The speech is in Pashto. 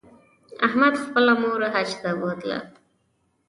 احمد خپله مور حج ته بوتله